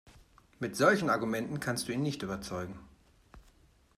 Mit solchen Argumenten kannst du ihn nicht überzeugen.